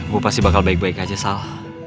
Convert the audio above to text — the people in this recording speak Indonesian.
gue pasti bakal baik baik aja salah